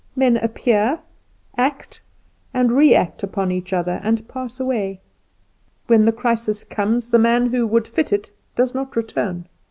Men appear, act and re act upon each other, and pass away. When the crisis comes the man who would fit it does not return.